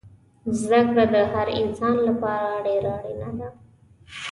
زده کړه دهر انسان لپاره دیره اړینه ده